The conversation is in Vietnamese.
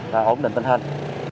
và ổn định tình hình